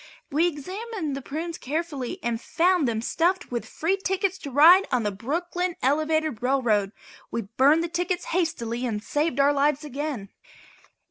We examined the prunes carefully and found them stuffed with free tickets to ride on the Brooklyn Elevated Railroad. We burned the tickets hastily and saved our lives again.